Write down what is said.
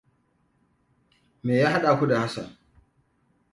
Me ya hada ku da Hassan?